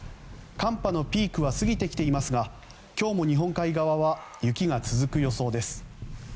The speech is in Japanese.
寒波のピークは過ぎてきていますが今日も日本海側は雪が続く予想です。